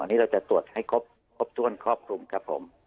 อันนี้เราจะตรวจให้ครบถ้วนครอบคลุมครับผม